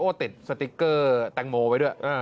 ติดสติ๊กเกอร์แตงโมไว้ด้วย